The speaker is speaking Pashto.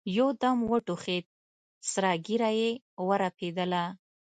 يودم وټوخېد سره ږيره يې ورپېدله.